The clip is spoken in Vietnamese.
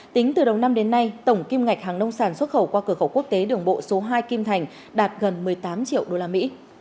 tính từ đầu năm đến nay tổng kim ngạch hàng nông sản xuất khẩu qua cửa khẩu quốc tế đường bộ số hai kim thành đạt gần một mươi tám triệu đô la mỹ